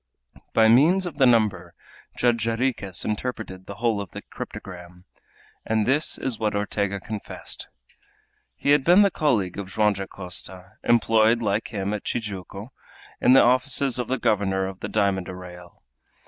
By means of the number Judge Jarriquez interpreted the whole of the cryptogram. And this was what Ortega confessed. He had been the colleague of Joam Dacosta, employed, like him, at Tijuco, in the offices of the governor of the diamond arrayal.